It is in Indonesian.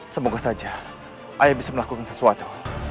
semoga saja ayah bisa melakukan sesuatu